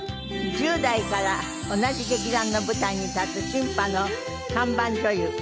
１０代から同じ劇団の舞台に立つ新派の看板女優。